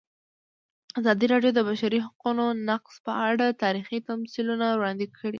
ازادي راډیو د د بشري حقونو نقض په اړه تاریخي تمثیلونه وړاندې کړي.